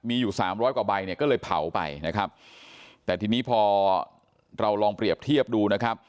มีอยู่สามร้อยกว่าใบเนี่ยก็เลยเผาไปนะครับแต่ทีนี้พอเราลองเปรียบเทียบดูนะครับ